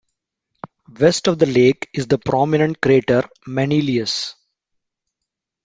West of the lake is the prominent crater Manilius.